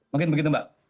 mungkin begitu mbak